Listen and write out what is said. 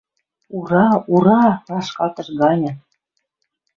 «Ура! Ура!!» — рашкалтыш ганьы.